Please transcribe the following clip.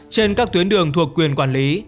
trên các tuyến đường thuộc quyền quản lý